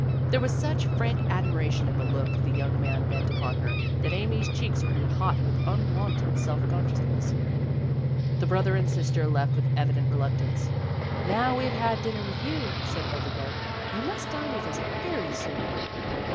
There was 'Such frank admiration in the look the young man bent upon her, that Amy's cheeks grew hot with an unwonted self consciousness. The brother and sister left with evident re luctance. "Now we've had dinner with you," said Hildegarde, "you must dine with us very soon."